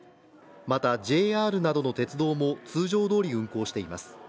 また、ＪＲなどの鉄道も通常どおり運行しています。